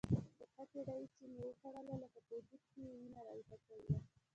ترخه کړایي چې مې وخوړله لکه په وجود کې یې وینه راویښه کړې وه.